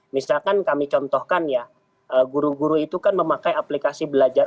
misalkan kami contohkan ya guru guru itu kan memakai aplikasi belajar